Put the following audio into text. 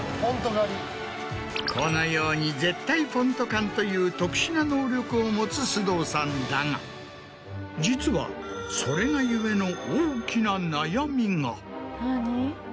このように絶対フォント感という特殊な能力を持つ須藤さんだが実はそれが故の。